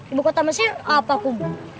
ibu kota mesir apa kubu